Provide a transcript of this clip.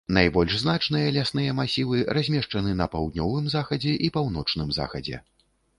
Найбольш значныя лясныя масівы размешчаны на паўднёвым захадзе і паўночным захадзе.